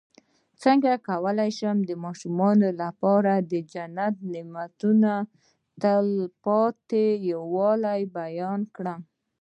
څنګه کولی شم د ماشومانو لپاره د جنت د نعمتو تلپاتې والی بیان کړم